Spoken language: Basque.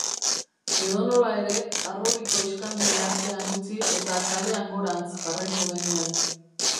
Edonola ere, Harrobiko iskanbila atzean utzi eta kalean gorantz jarraitu genuen.